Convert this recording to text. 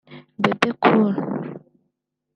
Bebe cool